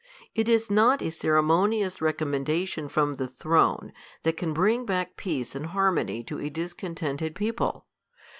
It is not a ceremonious recommenclatioii from the thi:one, that can bringback peace and harmony to a discontent ed people.